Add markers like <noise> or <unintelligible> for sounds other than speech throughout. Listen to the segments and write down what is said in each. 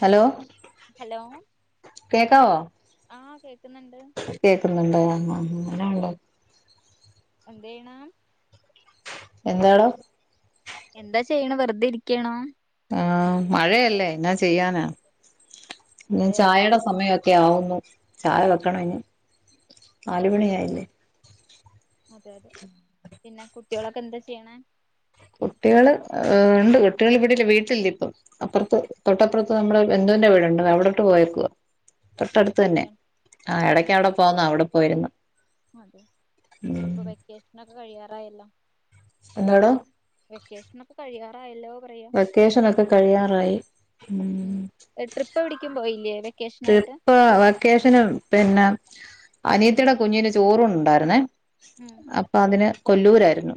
Hello hello കേക്കാവോ ആഹ് കേക്കുന്നുണ്ട് കേക്കുന്നുണ്ട് <inaudible> എന്നോ ഉണ്ട് എന്ത്ചെയ്യണ് എന്താടോ എന്താ ചെയ്യണേ വെറുതെ ഇരിക്കയാണോ? ആഹ് മഴയല്ലേ എന്നാ ചെയ്യാനാ ഇന്ന് അതെ ചായടെ സമയൊക്കെ ആവുന്നു ചായ വെക്കണം ഇനി ഉം ഉം നാലുമണിയായില്ലേ അതെ അതെ പിന്നെ കുട്ടികളൊക്കെ എന്ത ചെയ്യേണെ കുട്ട്യേള് ഏഹ് ഉണ്ട് കുട്ട്യേള് ഇവിടല്ല വീട്ടില്ല ഇപ്പം അപ്പറ്റത്ത് തൊട്ടപ്പുറത്ത് നമ്മള് ബന്ധുവിൻറെ വീടുണ്ട് അവിടെോട്ട് പോയേക്കുവ തൊട്ടട അതെ ട്തത്ത് തന്നെ കളിക്കാൻ ആ എടയ്ക്ക അവിടെ പോന്ന അവിടെ പോയിരുന്നു അതെ ഉം ഇനിയിപ്പോ വെക്കേഷനൊക്കെ കഴിയാ ആയല്ലോ. എന്താടോ വെക്കേഷനൊക്കെ കഴിയാ ഹലോ വെക്കേഷനൊക്കെ കഴിയാറായി ഉം ട്രിപ്പ് എവിടേക്കും പോയില്ലേ വെക്കേഷനായിട്ട് ട്രിപ്പ് വെക്കേഷന് പിന്നാ അനിയത്തിയുടെ കുഞ്ഞിന് ചോറൂണുണ്ടായിരുന്നേ ഉം അപ്പൊ അതിന് കൊല്ലൂരായിരുന്നു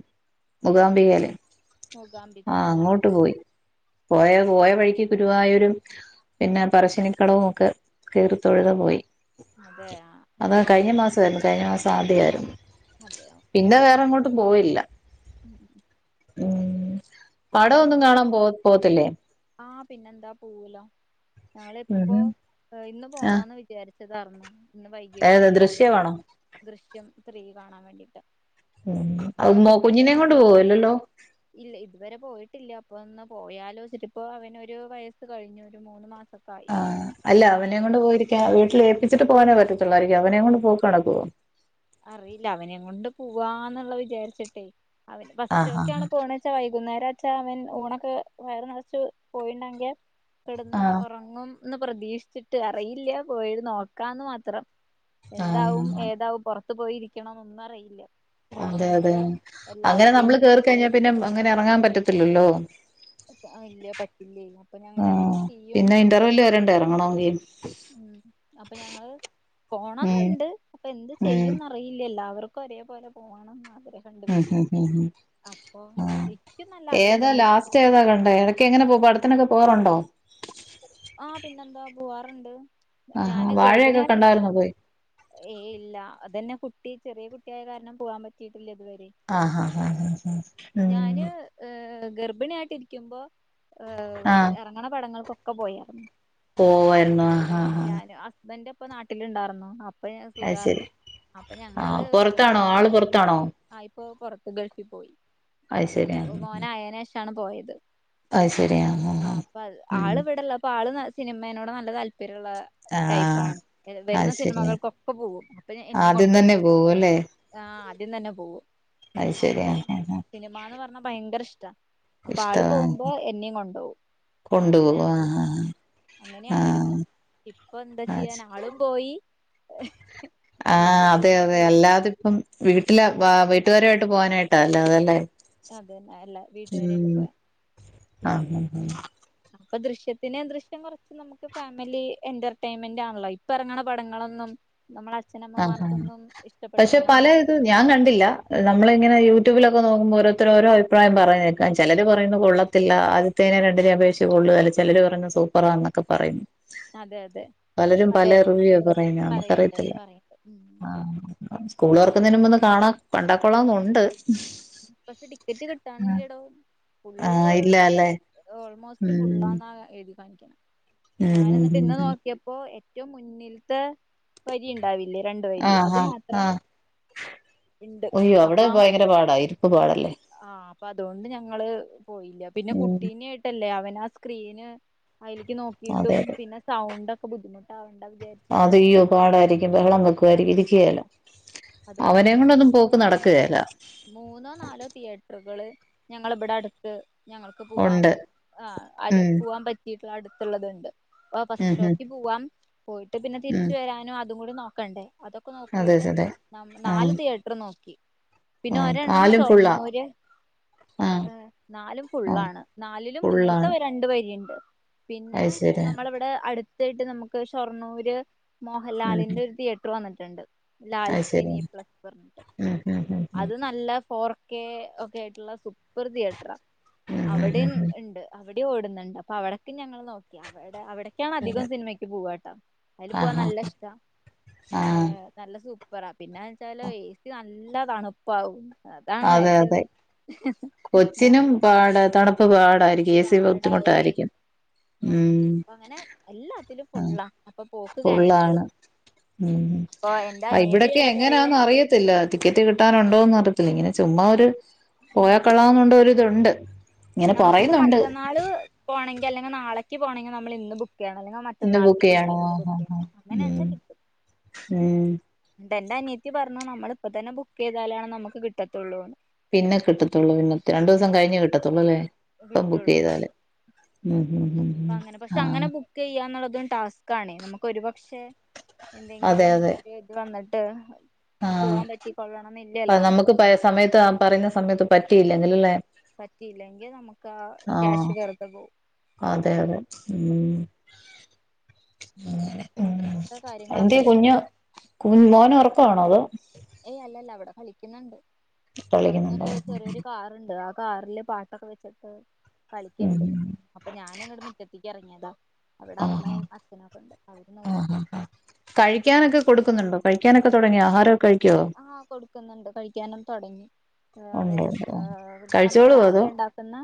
മൂകാമ്പികേലെ മൂകാംബിക ആ ആഹ് അങ്ങോട്ട് പോയി പോയ ആണോ പോയ വഴിക്ക് കി ഗുരുവായൂരും പിന്നെ ഉം പറശിനിക്കടവും കേറിത്തൊഴുത് പോയി. അതെ അതാ കഴിഞ്ഞ നല്ലത് മാസം ആരുന്നു കഴിഞ്ഞ മാസം സാധ്യയായിരുന്നു അതെ ഓക്കെ പിന്നെ വേറെങ്ങോട്ടും പോയില്ല ഉം പടമൊന്നും കാണാൻ പോ പോത്തില്ലേ ആഹ് പിന്നെന്താ പോവുലോ ഉം ഞങ്ങളിപ്പോ ഹും ഇന്ന് ആ പോണോന്ന് വിചാരി ച്ചതാർന്നു ഇന്ന് വൈകിട്ട് ഏത് ഒന്ന് പോണം ദൃശ്യമാണോ ദൃശ്യം ത്രീ കാണാൻ വേണ്ടിട്ട് അപ്പൊ ഉം ടിക്കറ്റ് കുഞ്ഞിനേം കൊണ്ട് നോക്കിയപ്പോ പോവല്ലല്ലോ ഇല്ല ഇത് പോയിട്ടില്ല അപ്പ ഒന്ന് പോയാലോ എന്നിട്ടിപ്പ അവന് ഒരു വയസ്സ് കഴിഞ്ഞു ഒരു മൂന്ന് മാ ആഹ് അല്ല അവനെയും കൊണ്ട് പോയിരിക്കാ വീട്ടിൽ ഏൽപ്പിച്ചിട്ട് പോകാനേ പറ്റ ത്തൊള്ളാരിക്കും അവനേം കൊണ്ട് പോക്ക് നടക്കോ? അറിയില്ല അവനേം കൊണ്ട് പോവാന്നിള്ള വിചാരിച്ചട്ടെ. അവൻ ആഹ് വസറ്റുവൊക്കെയാണ് പോണെച്ചാ വൈകുന്നേരച്ചാ അവൻ ഊണൊക്കെ വയറ് നിറച്ച് പോയിണ്ടെങ്കി കിടന്ന് ആഹ് ഒറങ്ങും. ഒന്ന് പ്രതീക്ഷിച്ചിട്ട് അറിയില്ല പോയത് നോക്കാന്ന് മാത്രം ആഹ് എന്താവും ആഹ് ഏതാവും പൊറ ത്ത് പോയിരിക്കണം ഒന്നും അറിയില്ല അതെ അതെ ഞങ്ങള് അങ്ങനെ എല്ലാവർക്കും നമ്മള് കേറി കഴിഞ്ഞാ പിന്നെ അങ്ങനെ എറങ്ങാൻ പറ്റ ത്തില്ലല്ലോ ആഹ് ഇല്ല പറ്റുല്ലേ അപ്പ ഞങ്ങള് എന്ത് ആഹ് ചെയ്യും പിന്നെ ഇന്റർവെല്ല് വരണ്ടേ എറങ്ങണോങ്കി അപ്പ ഞങ്ങള് ഉം പോണന്ന്ണ്ട് അപ്പം എന്ത് ഉം ചെയ്യുംന്ന് അറിയില്ലല്ല അവർക്ക് ക്ക് ഒരേ പോലെ പോണം അത് മ് മ് ആഹ് ഇക്കും നല്ല ഏതാ ആഗ്രഹണ്ട് ലാസ്റ്റ് ഏതാ കണ്ടേ ഏതൊക്കെ എങ്ങനെ പോ പടത്തിനൊക്കെ പോവാറുണ്ട ട്ടോ ആഹ് പിന്നെന്താ പോവാറുണ്ട് ആഹാ ഞാന് വാഴയൊക്കെ കണ്ടായിരുന്നോ ഗർഭിണിയായിട്ടിരിക്കുമ്പോ പോയി ഏഹ് ഇല്ല അതന്നെ കു കുട്ടി ചെറിയ കുട്ടിയായ കാരണം പോകാൻ പറ്റയിട്ടില്ല ഇതുവരെ ആഹ് ഹ ഹ ഹ ഉം ഗർഭിണി ആയിട്ട് ഇരിക്കുമ്പോ ഏഹ് എറങ്ങണ പടങ്ങൾക്കൊക്ക് ക്ക പോയേ പോവാര്ന്നു ഹ ഹ ഹ പ്പ നാട്ടിലിണ്ടാർന്നു അം പ്പയ സുഖാർന്നു അപ്പ ഞങ്ങള് ആഹ് എട് പൊറത്താണോ ആള് പൊറത്താണോ ആഹ് ഇപ്പൊ പൊറത്ത് ഗൾഫി പോയി അത് ശരിയാ മ് ട്ടാണ് പോയത് അത് ശരി ആഹ് ആഹ് ഉം ആള്ന്ന് സിനിമേനോട് നല്ല താൽ വരുള്ള ആഹ് ടൈപ്പാണ് അത് വരുന്ന ശരിയാ സിനിമകൾക്കൊക്കെ പോകും അപ്പൊ എന്നേം ആദ്യം കൊണ്ടോവും തന്നെ പോവുല്ലേ ആഹ് ദ്യം തന്നെ പോവും അത് ശരി അപ്പൊ ആഹ് ആഹ് ആഹ് സിനിമാന്ന് പർഞ്ഞാ ഭയങ്കര ഇഷ് അപ്പൊ ആള് ഇഷ്ടവാ പോവുമ്പോ എന്നേം കൊണ്ടോവും കൊണ്ടുപോകും അങ്ങന്യായാണ് ആഹ് ആഹ് അങ്ങനെയായിരുന്നു ആഹ് ഇപ്പന്ത അത് ചെയ്യാനാ ശരി ആളും പോയി ഇപ്പൊ ആഹ് അതെ അതെ കുട്ടി അല്ലാതിപ്പം വീട്ടില് വ വീട്ടുകാരായിട്ട് പോകാനായിട്ടാ അല്ലാതല്ലേ അതന്ന അല്ല വീട്ടുകാരായിട്ട് ഉം പോയ ആഹ് ആഹ് ങ്ങനെ പ്പ ദൃശ്യത്തിനെ ദൃശ്യം കൊർച്ച് നമുക്ക് ഫാമിലി എന്റർടൈൻമെന്റ് ആണല്ലോ ഇപ്പറങ്ങണ പടങ്ങളൊന്നും നമ്മളെ ആഹ് ഹ അച്ഛനമ്മമാർക്കൊന്നും പക്ഷെ പല ഇഷ്ടപ്പെട്ടോളന്നില്ല തും ഞാൻ കണ്ടില്ല നമ്മളിങ്ങനെ യൂട്യൂബിലൊക്കെ നോക്കുമ്പോ ഓരോ തരോ അഭിപ്രായം പറഞ്ഞേക്കാം ചെലര് പറയുന്നു കൊള്ളത്തില്ല ആദ്യത്തേനെ രണ്ടിനെ അപേക്ഷിച്ച് കൊള്ള അല്ല ചെലര് പറഞ്ഞു സൂപ്പറാന്നൊക്കെ പറയും. അതെ അതെ പലരും അതെ പല റിവ്യോ പറയുന്ന പറയണ്ട് നമുക്കറിയത്തില്ല പറയണ്ട് ഉം ആഹ് സ്കൂള് തൊർക്കുന്നെന്മ്പ് ന്ന് കാണ കണ്ടാക്കോള്ളന്നോണ്ട് പക്ഷെ ടിക്കറ്റ് കിട്ടാനില്ലടോ ആഹ് ഫുള്ള് ഇല്ല അല്ലേ ഓൾമോസ്റ്റ് ഉം ഫുള്ളന്ന എഴ് കണിക്കണേ ഉം ഞാൻ ഉം എന്നിട്ട് ഉം ഇന്ന് ഉം നോക്കിയപ്പോ എ റ്റോം മുന്നിൽത്തെ വരി ഉണ്ടാവില്ലേ രണ്ടു വരി ആഹ് അത് ആഹ് മാത്രം ആഹ് ഇണ്ട് അയ്യോ അവിടെ അപ്പൊ ഭയങ്കര പാടാ ഇരിപ്പ് പാടല്ലേ ആഹ് അപ്പൊ അതോണ്ട് ഞങ്ങള് പോയില്ല പിന്നെ ഉം കുട്ടീനെയിട്ട ല്ലെ അവനാ സ്ക്രീന് അയിലേക്ക് നോക്കിട്ടും പിന്നെ സൗണ്ട് ബുദ്ധിമുട്ടാ അത് അയ്യോ പാടായിരിക്കും ബഹളം വെക്കുയിരിക്കും ഇരിക്കുകേല അതുകൊണ്ട് അവനേം കൊണ്ടൊന്നും പോക്ക് മൂന്ന് നടക്കുകേല മൂന്നോ നാലോ തിയേറ്ററുകള്- ഞങ്ങള് ഇവിടെ അടുത്ത്- ഞങ്ങൾക്ക് പൂവാം ഉണ്ട് ആ ഉം പൂവാൻ പറ്റിട്ട്- അടുത്തുള്ളത്ണ്ട് ഓ ഉം ഉം പശ്ച്ചോക്ക് പോവാം പോയിട്ട് പിന്നെ ഉം തിരിച്ചു വരാനും അതും കൂടി നോക്കണ്ടേ അതൊക്കെ അതെ നോക്കിട്ട്- അതെ നാല് ആഹ് തീയേറ്റർ - നോക്കി പിന്നെ ആഹ് ഒരെണ്ണം പാലും ഫുള്ളാ ഷൊർണ്ണൂര് ആഹ് നാലും ആഹ് ഫുള്ളാണ് നാലിലും മുന്നിലത്തെ ഫുള്ളാണ് രണ്ടു വരിയുണ്ട് പിന്നെ അത് ശരി നമ്മളിവിടെ അടു- ഇതായിട്ട് നമുക്ക് ഷൊർണ്ണൂര് ഉം മോഹൻലാലിന്റെ ഉം ഒരു തിയേറ്റർ വന്നിട്ട്- രണ്ട് ലാൽ <unintelligible> സിനി പ്ലസ് പറഞ്ഞിട്ട് ഉം ഉം ഉം അത് നല്ല ഫോർ കെ ഒക്കെ ആയിട്ടുള്ള സൂപ്പർ തിയേറ്ററാ ഉം ഉം അവിടെയും ഉം ഇണ്ട് ഇവിടെയും ഓടുന്നുണ്ട് അപ്പൊ അവടൊക്കെ ഞങ്ങള് നോക്കി അവ അവിടക്കാണ് അധികം ഉം സിനിമക്ക് പോവാട്ടൊ അതിൽ പോവാൻ ആഹാ നല്ല ഇഷ്ടാ ആഹ് നല്ല സൂ പ്പറ പിന്നെന്ന് വെച്ചാല് ഏ സി നല്ല നല്ലാ തണുപ്പാവും അതാണോ അതെ അതെ ഏറ്റവും കൊച്ചിനും മോഹൻലാൽ പാട് തണു പ്പ് പാട് ആയിരിക്കും ഏ സി ബുദ്ധിമുട്ട് പാടാവുവേ ആയിരിക്കും അങ്ങനെ ഉം അപ്പൊ അങ്ങനെ എല്ലാത്തിലും ഉം ഫുള്ളാ അപ്പൊ പോക്ക് ഫുൾ ക്യാൻസൽ ആണ് ചെയ്തു ഉം ഉം അപ്പൊ എന്റെ ആ അനിയത്തി ഇവിടൊക്കെ വരെ പറയാ എങ്ങനാന്ന് അറിയത്തില്ല ടിക്കറ്റ് കിട്ടാനുണ്ടോന്ന് അറി ഇങ്ങനെ ചുമ്മാ ഒരു പോയാൽ കൊള്ളാവുന്നുണ്ട് ഒരു ഇതുണ്ട് നമുക്കിപ്പം മറ്റന്നാള് പോണെങ്കി അല്ലെങ്കി നാളെ ക്ക് പോണെങ്കി നമ്മൾ ഇന്ന് ബുക്ക് ചെയ്യണം അല്ലെങ്കിൽ ഇന്ന് ബുക്ക് മറ്റന്നാളത്തേക്ക് നമ്മൾ ചെയ്യണോ ഇന്ന് ആഹ് ബുക്ക് ചെയ്യണം ആഹ് അങ്ങനെ വെച്ചാൽ ഉം ഉം എൻ്റെ അനിയത്തി പറഞ്ഞു, നമ്മളിപ്പൊ തന്നെ ബുക്ക് ചെയ്താലാണ് നമുക്ക് കിട്ടത്തുള്ളൂന്ന്. പിന്നെ കിട്ടത്തോള്ളൂ പിന്നെ രണ്ട് ദിവസം ഏ, കഴിഞ്ഞേ കിട്ടത്തൊള്ളൂ അല്ലേ പ്പ ബുക്ക് ചെയ്താല് ഉം ഉം ഉം അപ്പം ഉം അങ്ങനെ പക്ഷെ അങ്ങനെ ആഹ് ബുക്ക് ചെയ്യാന്നുള്ളതും ടാസ്ക് ആണേ നമുക്ക് ഒരുപക്ഷെ അതെ എന്തെങ്കിലും അതെ ഒരു ഇത് വ വന്നിട്ട് ആഹ് പോവാൻ പറ്റിക്കൊള്ളണം അപ്പ എന്നില്ലല്ലോ നമ്മക്ക് പ സമയത്ത് പറയുന്ന സമയത്ത് പറ്റ് റ്റിയില്ലെങ്കിലല്ലേ പറ്റിയില്ലെങ്കി നമുക്ക് ആ ആഹ് ക്യാഷ് വെറുതെ പോവും. അതെ അതെ ഉം ഉം ഉം അങ്ങനത്തെ എന്തിയേ കാര്യങ്ങളൊക്കെയും കുഞ്ഞു കു മോനുറങ്ങ് കാണാതെ ഏയ് അല്ല അല്ല അവിടെ കളിക്കുന്നുണ്ട്. കളിക്കുന്നുണ്ടോ അവനൊരു ചെറിയൊരു കാറുണ്ട് ആ കാറില് പാട്ടൊക്കെ വെച്ചിട്ട് കളിക്ക്‌ണ്ട് ഉം അപ്പൊ ഞാന്ങ്ങട് മിറ്റത്തേക്കെർങ്ങിയതാ അവിടെ ആഹ് അമ്മയും അച്ഛനൊക്കെണ്ട് അവര് നോക്കും. ആഹ് ആഹ് കഴിക്കാനൊക്കെ കൊടുക്കുന്നുണ്ടോ കഴിക്കാനൊക്കെ തൊടങ്ങി ആഹാരൊക്കെ കഴി ആഹ് കൊടുക്കുന്നുണ്ട് കഴിക്കാനും തൊടങ്ങി മ്മ് ഉണ്ട് ഉണ്ട് നമ്മള് കഴിച്ചോളുവോ രാവിലെ അതോ ഒണ്ടാക്കുന്ന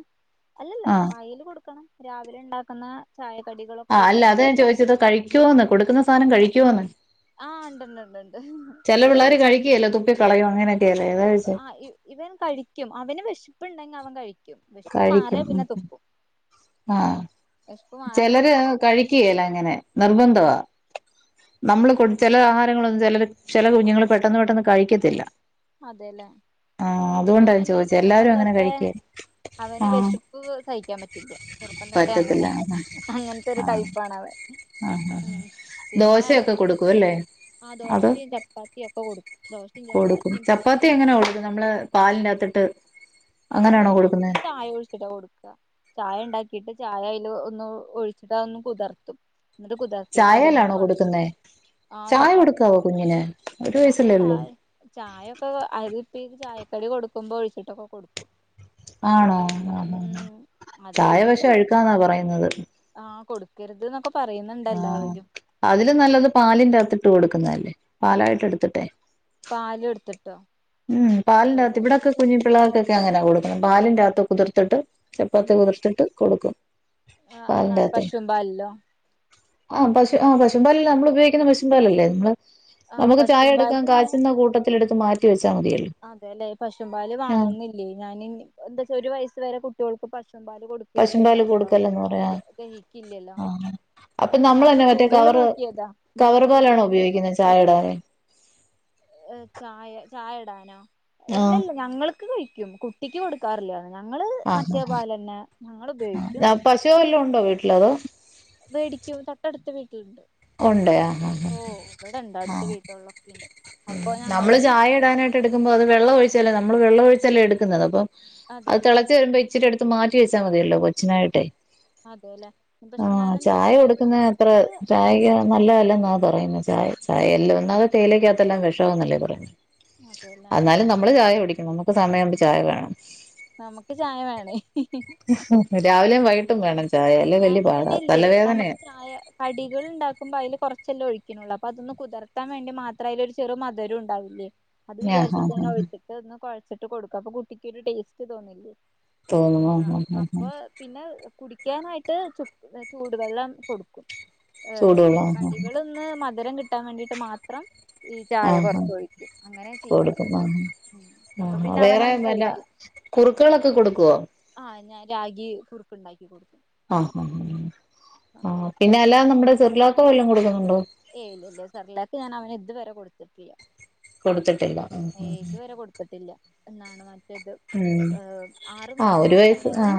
അല്ലല്ല ആഹ് വായില് കൊടുക്കണം രാവിലെ ഇണ്ടാക്കുന്ന ആഹ് അല്ല അതാ ചോയിച്ചത് കഴിക്കോന്ന് കൊടുക്കുന്ന സാനം കഴി ക്കോന്ന് ആഹ് ഉണ്ട്ണ്ട്ണ്ട്ണ്ട് ല തുപ്പി കളയും അങ്ങനെ ആഹ് ഇ ഇവൻ കഴിക്കും അവന് വെശപ്പുണ്ടെ അവൻ കഴി കഴിക്കും ആഹ് വിശപ്പ് മാറി ചെലര് കഴിക്കുകേല അങ്ങനെ നിർബന്ധവാ നമ്മള് കൊട് ചെല ആഹാരങ്ങളൊന് ചെലര് ചെല കുഞ്ഞുങ്ങള് പെട്ടെന്ന് പെട്ടെന്ന് കഴിക്കത്തില്ല അതേല്ലേ ആഹ് ഇവൻ അതുകൊണ്ടാ ഞാൻ പിന്നെ ചോദിച്ചേ ചെർപ്പം എല്ലാരും അങ്ങനെ തൊട്ടേ കഴിക്കേ അവന് ആഹ് വെശപ്പ് സഹിക്കാൻ പറ്റില്ല്യ ചെറുപ്പം തൊട്ടേ പറ്റത്തില്ല അങ്ങനെ ആഹ് അങ്ങനത്തെ ഒരു ടൈപ്പാണവൻ ആഹ് പിന്നെ ഇട ദോശയൊക്കെ കൊടുക്കും അല്ലേ ആഹ് അത് ദോശയും ചപ്പാത്തിയും ഒക്കെകൊടുക് കൊടു ദോശേ കൊടുക്കും ചപ്പാത്തി. ചപ്പാത്തി എങ്ങനെ കൊടുക്കുന്നെ നമ്മടെ പാലിന്റകത്തിട്ട് ആ അല്ല ഞാൻ ചായൊഴിച്ചിട്ടാ കൊടുക്കൂ ചായണ്ടാക്കിട്ട് ചായ അയിൽ ഒന്ന് ഒഴിച്ചിട്ട് അതൊന്നുകുതിർത്തും എന്നിട്ട് കുതിർത്തിട്ട് അത് ചായേലാണോ കൊടുക്കുന്നേ ആഹ് ചായ ചപ്പാത്തി കൊടുക്കാവോ കുഞ്ഞിന് ഒരു ഞാന് വയസല്ലേ ഉള്ളൂ ചായ ചായൊക്കെ അത് ഈ ചായക്കടി കൊടുമ്പോ ഒഴിച്ചിട്ടൊക്കെകൊടുക്കും ആണോ ആഹ് അത് ചായ വീട്ടില് പക്ഷെ വരെ അഴുക്കാന്നാ പറയുന്നത് ആ കൊടുക്കരുത് ന്നൊക്കെ ആ അതിലും നല്ലത് പാലിന്റകത്തിട്ട് കൊടുക്ക്. ക്കുന്നല്ലേ, പാലായിട്ട് എടുത്തിട്ടെ പാല് കൊടുത്തെ മ്മ് പാലിന്റകത്ത്, ഇവിടൊക്കെ കുഞ്ഞു പിള്ളാർക്കൊക്കെ അങ്ങന കൊടുക്കുന്നെ പാലിന്റ അക ട്ട് കുതിർത്തിട്ട് ചപ്പാത്തി <unintelligible> ത്തിട്ട് കൊടുക്കും. ആ എന്നാണ് പശുവും പാലിലോ? ആഹ പശു ആഹ പശുപാലി <unintelligible> നമ്മള് ഉപയോഗിക്കുന്ന പശും പാലല്ലേ? ആഹ് നമുക്ക് ചായ പശുവും എടുക്കാൻ കാചച് കൂട്ടത്തിൽ എടുത്ത്. <unintelligible> അതെല്ലെ പശും പാല് ആഹ് വാങ്ങുന്നില്ലെയ് ഞാന് എന്താച്ച ഒരു വയസ് വരെ കുട്ടിയോൾ ക്ക് പശ് ശും പാല് കൊടുക്കരുത് പശുമ്പാല് എന്നാണല്ലോ കൊടുക്കല്ലെന്ന് പറയാ ദഹിക്കില്ലല്ലോ ആഹ് അപ്പൊ ഞാന് നമ്മളന്നെ മറ്റേ ഗൂഗിളില് കവറ് നോക്കിയതാ ഞാന് കവറ് പാലാണോ ഗൂഗിളില് നോക്ക ഉപയോഗിക്കുന്നത് ചായ ഇടാന് ഏ ചായ ചായ ഇടാനോ? ഇല്ല ആഹ് ഇല്ല ഞങ്ങള് കഴിക്കും കുട്ടിക്ക് കൊടുക്കാറില്ല. ഞങ്ങള് ആഹ് മറ്റേ പാലെന്നെ ഞങ്ങള് ആഹ് ഉപയോഗിക്കും. ആഹ് പശു വല്ലോം ഉണ്ടോ വീട്ടില് അതോ വേടിക്കും തൊട്ടടുത്ത വീട്ടിലുണ്ട്. ഉണ്ട് ആഹ ഹ ഓഹ് ഇവിടെണ്ട് ഹാ. അടുത്ത വീട്ടുകളിലൊക്കെണ്ട് അപ്പൊ ഞങ്ങള് നമ്മള് ചായ ഇടാനായിട്ട് എടുക്കുമ്പോ അത് വെള്ളം ഒഴിച്ച നമ്മള് വെള്ളം ഒഴിച്ചല്ലേ എടുക്കുന്നത് അപ്പൊ അതെ അത് തിളച്ച് വരുമ്പോഴേ ച്ചിരി അടുത്ത് മാറ്റി വെച്ചാൽ മതിയല്ലോ കൊച്ചിനായിട്ടേ അതെല്ലേ പക്ഷെ ആഹ് ഞാനെന്താ ചായ വെച്ചാലേ കൊടുക്കുന്ന അത്ര നമ്മക്ക് ചായക്ക് നമ്മൾ നല്ലതല്ല എന്നാ പറയുന്നത് ചായ സയല്ലാം ഒന്നാമത് തേയിലക്ക ത്തെല്ലാം വെശമാന്നല്ലേ പറെന്നെ അതെല്ലേ എന്നാലും നമ്മള് ചായ കുടിക്കണം ഇപ്പ സമയം ആവുമ്പോ ചായ വേണം. നമ്മുക്ക് ചായ വേണേ രാവിലെയും വൈ ട്ടും വേണം. ചായ അല്ലേ വലിയ ഞാൻ പാടാ ഇവനല്ലേ നമ്മള് തലവേദനയാ ചായ കടികൾണ്ടാക്കുമ്പോ അയ്ല് കൊറ ചെല്ല ഒഴിക്കുന്നുള്ളൂ അപ്പൊ അതൊന്ന് കുതിർത്താൻ വേണ്ടി മാത്രം ആയില് ഒരു ചെറു മധുരോം ഉണ്ടാവില്ലേ അത് ആ ഹാ വിചാരിച്ചിട്ട ഹാ ഞാൻ ഒഴിച്ചിട്ട് ഒന്ന് കുഴച്ചിട്ട് കൊടുക്കും അപ്പൊ കുട്ടിക്കൊരു ടേസ്റ്റ് തോന്നില്ലേ തോന്നുന്നു ആ ഹ് ഹാ ഹാ ഹാ അപ്പൊ പിന്നെ കുടി ക്കാനാ ട്ട് ചൂട് വെള്ളം കൊടുക്കും ഏ ഈ ചൂടുവെള്ളം ആ ഹാ കടികൾ ഒന്ന് മ മധുരം കിട്ടാൻ വേണ്ടിട്ട് മാത്രം ഈ ചായ ആഹ് ഹാ കൊറച്ച് ഒഴിക്കും അങ്ങനെ ചെയ്യാറ് കൊടുക്കും ആ അപ്പൊ ആ പിന്നെ വേറെ അവനങ്ങ് വല്ല കഴിക്കും കുറുക്കുകളൊക്കെ കൊടുക്കുവോ ആഹ് ഞാൻ റാഗി കുറക്കുണ്ടാക്കി കൊടുക്കും ആഹ് ആഹ് ആഹ് അങ്ങനെ ആഹ് പിന്നെ അല്ലാതെ നമ്മ്ടെ സിർലാക്കോ വല്ലോ കൊടുക്കുന്നുണ്ടോ ഏയ് ഇല്ലില്ല സെർലാക്ക് ഞാൻ അവന് ഇതുവരെ കൊടുത്ത്‌ ത്തിട്ടില്ല കൊടുത്ത ഇതുവരെ കൊടുത്തിട്ടില്ല എന്നാണ് മ ഇത് ഉം ആറ് ആ ഒരു മാസം വയസ്സ് വരെ ആ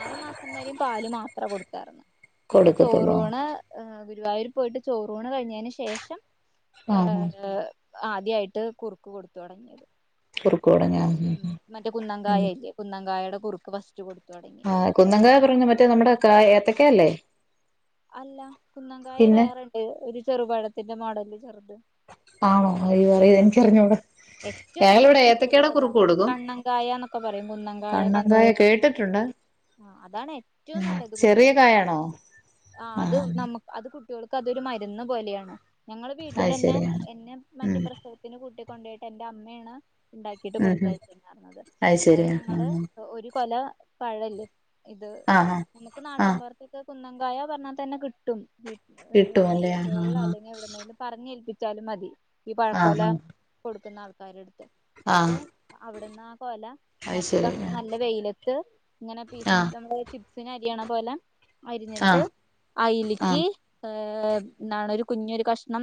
ആറു മാസം വരെയും പാല് മാത്രം കൊടുത്ത ത്തർന്ന് പിന്നെ കൊടുക്കത്തുള്ളൂ ചോറൂണ് ഏഹ് ഗു ഗുരുവായൂര് പോയിട്ട് ചോറൂണ് കഴിഞ്ഞെന് ശേഷം ആ ഹാ ആഹ് ആഹ് ആദ്യായിട്ട് കുറുക്ക് കൊടു തൊടങ്ങിയത് കുറു മറ്റേ കുന്നംങ്കായല്ലേ കുന്നങ്കായയുടെ- കുറുക്ക് ഫസ്റ്റ് കൊടു ആഹ് കുന്നകായ പറയുന്നേ മറ്റേ നമ്മുടെ ഏത്തക്കല്ലേ അല്ല കുന്നങ്കായ വേറെ ഇണ്ട് ഒരു ചെറുപഴത്തിന്റെ മോഡല് <unintelligible> ആണോ അയ്യോ അറിയ ആ എനിക്കറിഞ്ഞൂടാ ഏറ്റോം നല്ലത് ഞങ്ങളിവിടെ കുട്ട്യോൾക്ക് ഏത്തക്കയുടെ അതാ കുറുക്ക് കൊടുക്കും കണ്ണങ്കായ എന്നൊക്കെ പറയും കുന്നങ്കായ, കണ്ണങ്കായ ആ അതാണ് ഏറ്റോം ആ നല്ലത് ചെറിയ കുഞ്ഞുങ്ങൾ കായാണോ ആഹ് ആ അത് നമ്മ അത് കു ട്ട്യോൾക്ക് അതൊരു മരുന്ന് പോലെയാണ് ഞങ്ങള് അത് വീട്ടിലന്നെ ശരിയാ എന്നെ മറ്റ് ഉം പ്രശ്ന ഇങ്ങനെ കുട്ടിയെ കൊണ്ടോയിട്ട് എന്റെ അമ്മയാണ്- ഉണ്ടാക്കിട്ട് ഉം ഉം കൊടുത്തയച്ചുന്ന് പറഞ്ഞത് അത് ഞങ്ങള് ഒരു കൊല - - പഴം ഇല്ലേ ഇത് ആ ആ ഇമക്ക് ആ നാട്ടിൻ പൊറത്തൊക്കെ - കുന്നംങ്കായ പറഞ്ഞാതന്നെ കിട്ടും കിട്ടും അല്ലേ ആഹ് ആഹ് വെച്ചാലും മതി കൊല കൊടുക്കുന്ന ആൾ കരട് ആ എന്നിട്ട് അവിടെ- എന്നാ കൊല അത് ശരി മൊത്തം നല്ല വെയില- ത് ഇങ്ങനെ പീസ് ആ പീസ് <unintelligible> സിനു അരിയാണാം പോവല ആ അരിഞ്ഞിട്ട് ആ അയിലിക്ക് ഏഹ് ഇന്നാണ് ഒരു കുഞ്ഞരു കഷ്ണം